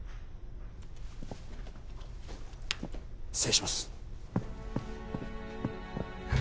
失礼します。